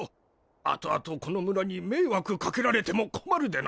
あとあとこの村に迷惑かけられても困るでな。